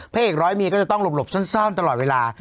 เอกร้อยเมียก็จะต้องหลบซ่อนตลอดเวลา